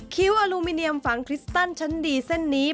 คิวอลูมิเนียมฝังคริสตันชั้นดีเส้นนี้